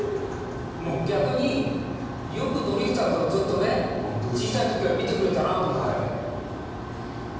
もう逆によくドリフターズをずっとね小さい時から見てくれたなと思ってて。